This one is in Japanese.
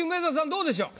どうでしょう？